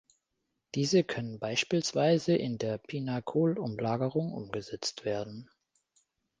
Diese können beispielsweise in der Pinakol-Umlagerung umgesetzt werden.